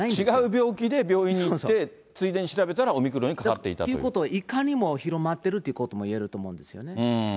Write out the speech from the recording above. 違う病気で病院に行って、ついでに調べたら、オミクロンにかということは、いかにもう広まってるということもいえると思うんですよね。